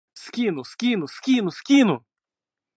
Скину, скину, скину, скину!